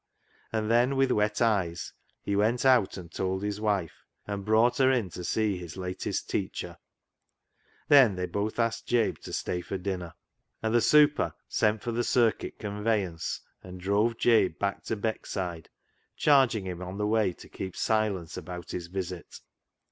And then with wet eyes he went out and told his wife, and brought her in to see his latest teacher. Then they both asked Jabe to stay to dinner, 19 290 CLOG SHOP CHRONICLES and the " super " sent for the circuit conveyance, and drove Jabe back to Beckside, charging him on the way to keep silence about his visit.